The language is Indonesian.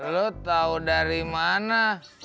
lo tahu dari mana